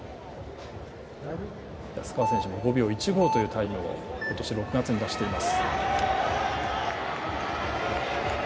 安川選手も５秒１５というタイムを今年６月に出しています。